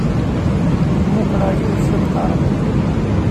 Mmuqqleɣ yiwet s lqerb.